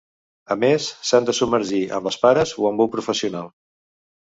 A més, s'han de submergir amb els pares o amb un professional.